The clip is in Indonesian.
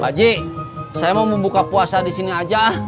pak ji saya mau membuka puasa disini aja